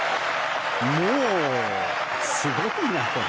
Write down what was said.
もう、すごいなこれ。